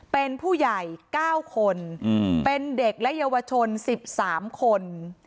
เป็นผู้ใหญ่๙คนเป็นเด็กและเยาวชน๑๓คน